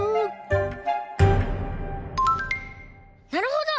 なるほど！